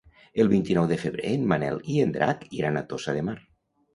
El vint-i-nou de febrer en Manel i en Drac iran a Tossa de Mar.